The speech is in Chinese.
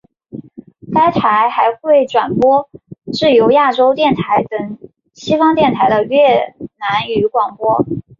该台还会转播自由亚洲电台等西方电台的越南语广播。